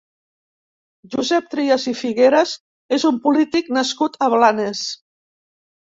Josep Trias i Figueras és un polític nascut a Blanes.